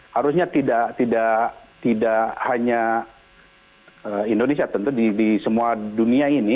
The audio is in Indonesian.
harusnya tidak hanya indonesia tentu di semua dunia ini